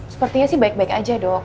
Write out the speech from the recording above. sepertinya sih baik baik aja dok